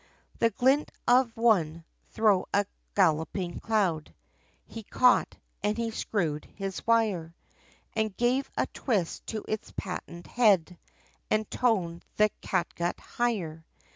The glint of one, thro' a galloping cloud, He caught, and he screwed his wire, And gave a twist, to its patent head, And toned the catgut higher.